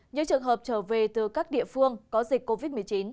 những trường hợp trở về từ các địa phương có dịch covid một mươi chín